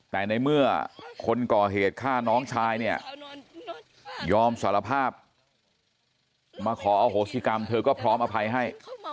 แต่ในเมื่อคนก่อเหตุฆ่าน้องชายเนี่ยยอมสารภาพมาขออโหสิกรรมเธอก็พร้อมอภัยให้